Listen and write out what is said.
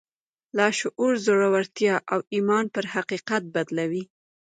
لاشعور زړورتيا او ايمان پر حقيقت بدلوي.